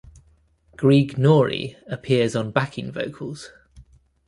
Greig Nori appears on backing vocals.